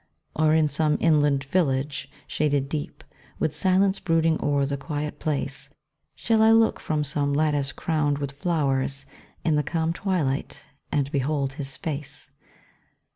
Or in some inland village, shaded deep, With silence brooding o'er the quiet place, Shall I look from some lattice crowned with flowers, In the calm twilight and behold his face?